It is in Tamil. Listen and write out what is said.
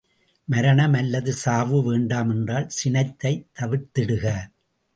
மரணம் அல்லது சாவு வேண்டாம் என்றால் சினத்தைத் தவிர்த்திடுக!